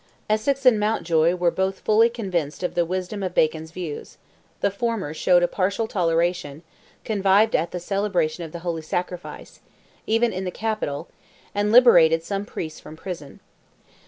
Essex and Mountjoy were both fully convinced of the wisdom of Bacon's views; the former showed a partial toleration, connived at the celebration of the Holy Sacrifice, even in the capital, and liberated some priests from prison.